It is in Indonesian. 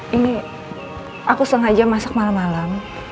ini aku sengaja masak malam malam